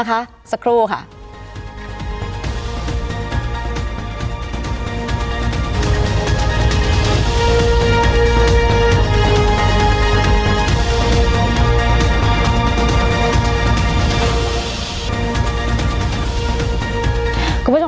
การแสดงความคิดเห็น